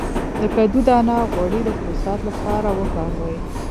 د کدو دانه غوړي د پروستات لپاره وکاروئ